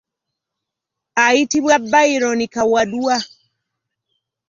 Ayitibwa Byron Kawadwa .